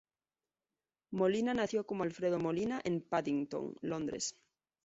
Molina nació como Alfredo Molina en Paddington, Londres.